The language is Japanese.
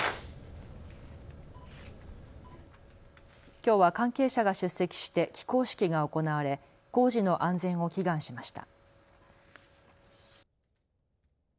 きょうは関係者が出席して起工式が行われ工事の安全を祈願しました。